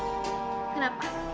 gue mau nyelengkat cowok ngamuk